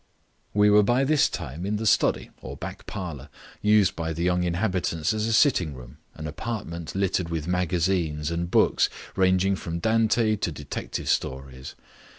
We were by this time in the study or back parlour, used by the young inhabitants as a sitting room, an apartment littered with magazines and books ranging from Dante to detective stories.